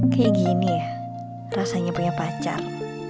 kayak gini ya rasanya punya pacar